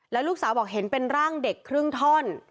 แล้วลูกสาวบอกเห็นเป็นร่างเด็กครึ่งท่อน